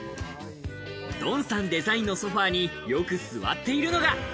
ドンさんデザインのソファーによく座っているのが。